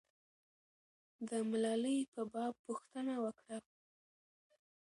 د ملالۍ په باب پوښتنه وکړه.